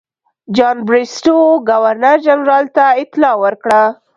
جان بریسټو ګورنر جنرال ته اطلاع ورکړه.